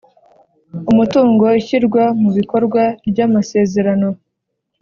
Umutungo ishyirwa mu bikorwa ry amasezerano